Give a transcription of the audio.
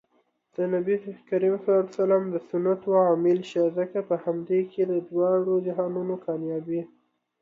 د نبي ص د سنتو عاملشه ځکه په همدې کې د دواړو جهانونو کامیابي